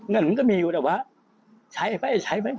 เงินมันก็มีอยู่ด้วยว่ะใช้ไป